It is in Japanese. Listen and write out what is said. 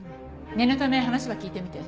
念のため話は聞いてみて。